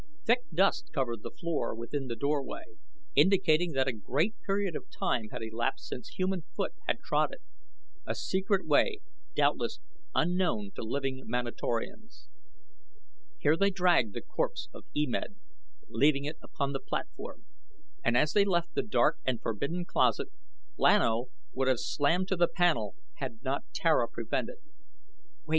Thick dust covered the floor within the doorway, indicating that a great period of time had elapsed since human foot had trod it a secret way, doubtless, unknown to living Manatorians. Here they dragged the corpse of E Med, leaving it upon the platform, and as they left the dark and forbidden closet Lan O would have slammed to the panel had not Tara prevented. "Wait!"